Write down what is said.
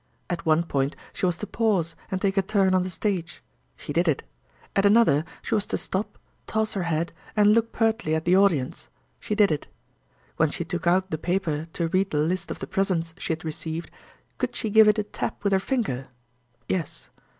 At one point she was to pause, and take a turn on the stage—she did it. At another, she was to stop, toss her head, and look pertly at the audience—she did it. When she took out the paper to read the list of the presents she had received, could she give it a tap with her finger (Yes)?